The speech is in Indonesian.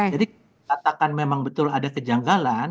jadi katakan memang betul ada kejanggalan